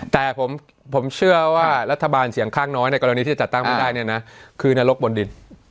แต่ผมเชื่อว่ารัฐบาลเสียงข้างน้อยในกรณีที่จะจัดตั้งไม่ได้เนี่ยนะคือนรกบนดิน